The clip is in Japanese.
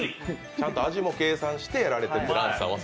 ちゃんと味も計算してやられている。